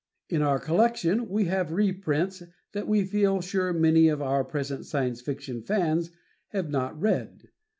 In our collection we have reprints that we feel sure many of our present Science Fiction fans have not read.